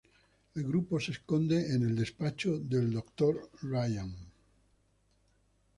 El grupo se esconde en el despacho del Dr. Ryan.